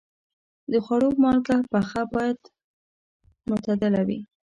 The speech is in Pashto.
د خوړو مالګه پخه باید معتدله وي.